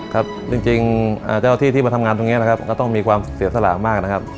ครับจริงเจ้าที่ที่มาทำงานตรงนี้นะครับก็ต้องมีความเสียสละมากนะครับ